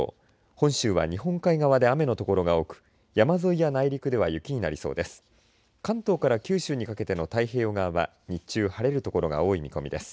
本州は日本海側で雨の所が多く山沿いや内陸では雪になりそうです。